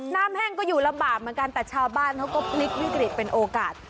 น้ำแห้งก็อยู่ลำบากเหมือนกันแต่ชาวบ้านเขาก็นิดเป็นโอกาส